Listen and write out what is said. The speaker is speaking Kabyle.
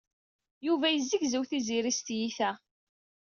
Yuba yezzegzew Tiziri s tyita.